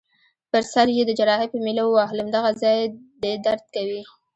پر سر يي د جراحۍ په میله ووهلم: دغه ځای دي درد کوي؟